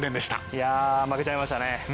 いや負けちゃいましたね。